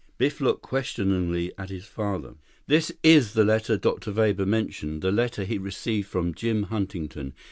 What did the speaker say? Biff looked questioningly at his father. "This is the letter Dr. Weber mentioned; the letter he received from Jim Huntington.